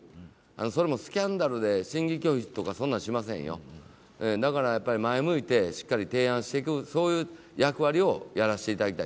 それもスキャンダルで審議拒否とかしませんよ、だから、前を向いてしっかり提案していくそういう役割をやらしていただきたい。